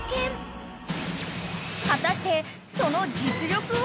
［果たしてその実力は？］